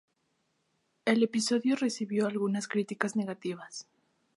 El episodio recibió algunas críticas negativas.